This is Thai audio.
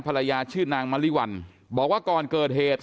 ภรรยาชื่อนางมะลิวัลบอกว่าก่อนเกิดเหตุ